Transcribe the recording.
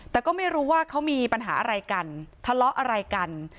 แต่ก็ไม่รู้ว่าเขามีปัญหาอะไรกันทะเลาะอะไรกัน